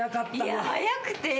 いや早くて。